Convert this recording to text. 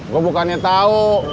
gua bukannya tau